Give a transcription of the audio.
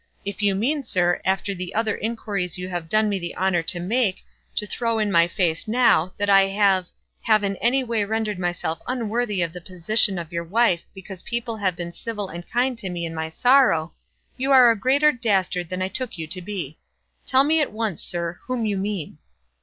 If you mean, sir, after the other inquiries you have done me the honour to make, to throw it in my face now, that I have have in any way rendered myself unworthy of the position of your wife because people have been civil and kind to me in my sorrow, you are a greater dastard than I took you to be. Tell me at once, sir, whom you mean."